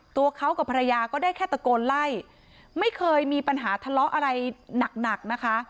ตัวเขากับภรรยาก็ได้แค่ตะโกนไล่ไม่เคยมีปัญหาทะเลาะอะไรหนักหนักนะคะ